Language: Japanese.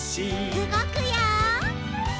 うごくよ！